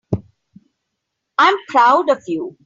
I'm proud of you.